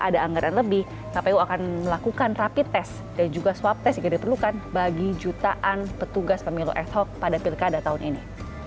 dan melakukan rapid test dan juga swab test yang diperlukan bagi jutaan petugas pemilu ad hoc pada pilkada tahun ini